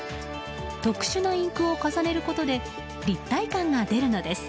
特殊なインクを重ねることで立体感が出るのです。